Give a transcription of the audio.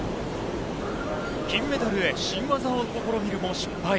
金メダルへ新技を試みるも失敗。